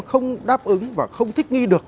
không đáp ứng và không thích nghi được